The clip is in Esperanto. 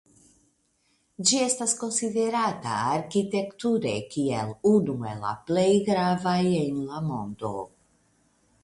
Ĝi estas konsiderata arkitekture kiel unu el la plej gravaj en la mondo.